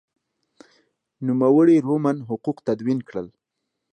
نوموړي رومن حقوق تدوین کړل.